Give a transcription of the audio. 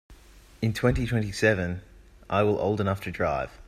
In twenty-twenty-seven I will old enough to drive.